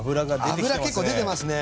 脂結構出てますね。